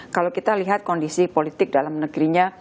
kalau kita lihat kondisi politik dalam negerinya